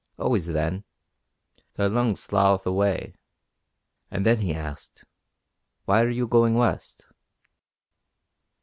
Always then. The lungs slough away." And then he asked: "Why are you going west?"